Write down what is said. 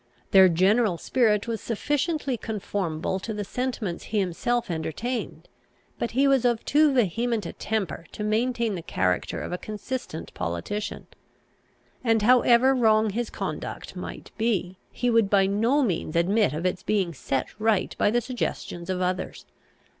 Their general spirit was sufficiently conformable to the sentiments he himself entertained; but he was of too vehement a temper to maintain the character of a consistent politician; and, however wrong his conduct might be, he would by no means admit of its being set right by the suggestions of others.